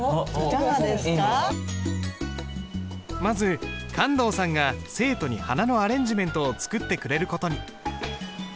まず観堂さんが生徒に花のアレンジメントを作ってくれる事に。